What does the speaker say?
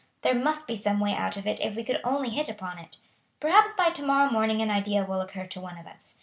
There must be some way out of it if we could only hit upon it. Perhaps by to morrow morning an idea will occur to one of us.